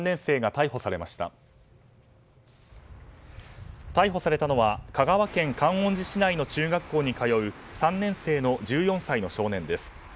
逮捕されたのは香川県観音寺市内の中学校に通う３年生の１４歳の少年です。